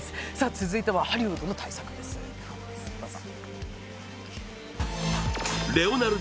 続いてはハリウッドの大作です、どうぞ。